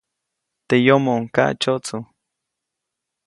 Teʼ yomoʼuŋ kaʼtsyotsu.